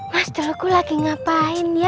mas dulu ku lagi ngapain ya